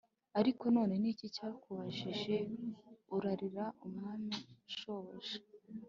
Ariko none ni iki cyakubujije urarira umwami shobuja?